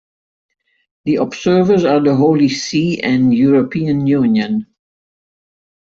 The observers are the Holy See and European Union.